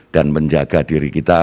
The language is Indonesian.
dan menjaga diri kita